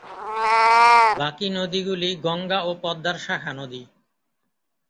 বাকি নদীগুলি গঙ্গা ও পদ্মার শাখা নদী।